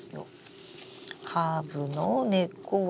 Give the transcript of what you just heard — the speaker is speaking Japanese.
ハーブの根っこは？